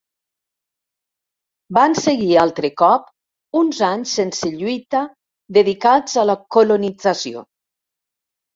Van seguir altre cop uns anys sense lluita dedicats a la colonització.